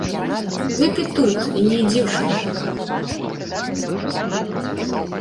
Выпі тут і не ідзі ў шынок.